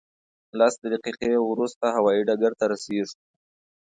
لس دقیقې وروسته هوایي ډګر ته رسېږو.